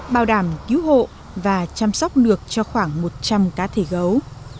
bảo đảm cứu hộ và chăm sóc được cho khoảng một trăm linh cá thể gấu